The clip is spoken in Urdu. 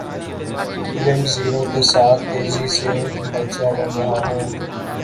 فلم زیرو کے ساتھ تیزی سے بچہ بن رہا ہوں